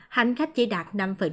hành khách chỉ đạt năm